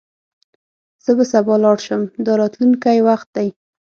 زه به سبا لاړ شم – دا راتلونکی وخت دی.